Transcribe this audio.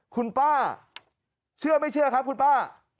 คุณป้าเชื่อไม่เชื่อครับคุณป้า